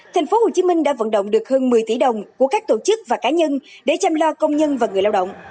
tp hcm đã vận động được hơn một mươi tỷ đồng của các tổ chức và cá nhân để chăm lo công nhân và người lao động